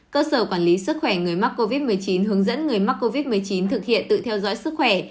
cơ sở quản lý sức khỏe người mắc covid một mươi chín hướng dẫn người mắc covid một mươi chín thực hiện tự theo dõi sức khỏe